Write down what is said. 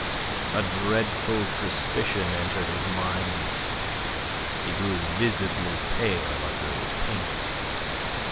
A dreadful suspicion entered his mind. He grew visibly pale under his paint.